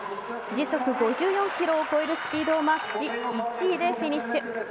時速５４キロを超えるスピードをマークし１位でフィニッシュ。